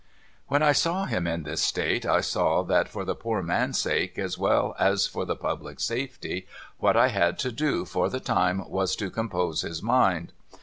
' When I saw him in this state, I saw that for the poor man's sake, as well as for the public safety, what I had to do for the time was to compose his mind.